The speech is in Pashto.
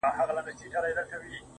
خداى دي زما د ژوندون ساز جوړ كه,